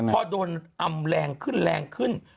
พอโดนอำแรงขึ้นแรงขึ้น